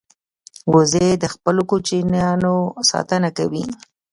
وزې د خپلو کوچنیانو ساتنه کوي